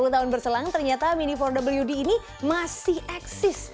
sepuluh tahun berselang ternyata mini empat wd ini masih eksis